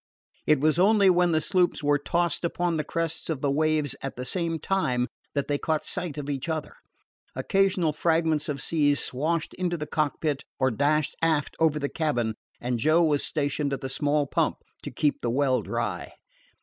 It was only when the sloops were tossed upon the crests of the waves at the same time that they caught sight of each other. Occasional fragments of seas swashed into the cockpit or dashed aft over the cabin, and Joe was stationed at the small pump to keep the well dry.